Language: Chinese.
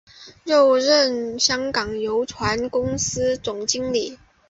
又任香港邮船公司总经理。